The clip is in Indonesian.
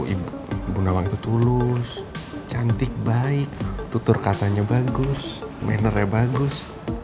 ibu gunawan itu tulus cantik baik tutur katanya bagus mannernya bagus